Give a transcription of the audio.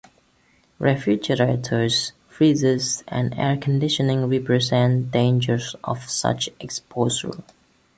Refrigerators, freezers, and air-conditioning represent dangers of such exposure.